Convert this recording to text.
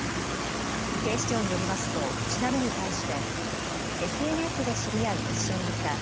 警視庁によりますと調べに対してＳＮＳで知り合い一緒にいた。